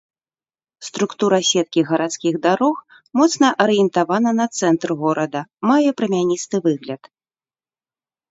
Структура сеткі гарадскіх дарог моцна арыентавана на цэнтр горада, мае прамяністы выгляд.